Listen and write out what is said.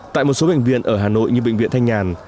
tại một số bệnh viện ở hà nội như bệnh viện thanh nhàn